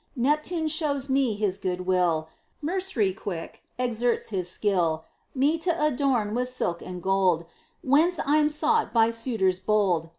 Neptune shows me his good will; Merc'ry, quick, exerts his skill Me t' adorn with silk and gold; Whence I'm sought by suitors bold.